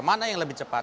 mana yang lebih cepat